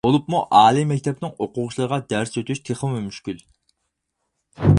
بولۇپمۇ ئالىي مەكتەپنىڭ ئوقۇغۇچىلىرىغا دەرس ئۆتۈش تېخىمۇ مۈشكۈل.